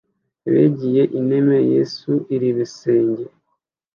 Ebegiye ineme, Yesu irebesenge